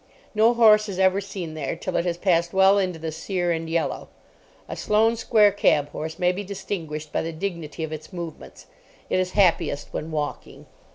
No horse is ever seen there till it has passed well into the sere and yellow. A Sloane Square cab horse may be distinguished by the dignity of its movements. It is happiest when walking.